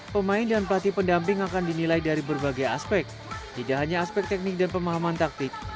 pemain dan pelatih pendamping akan dinilai dari berbagai aspek tidak hanya aspek teknik dan pemahaman taktik